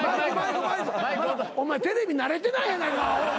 お前テレビ慣れてないやないかアホ。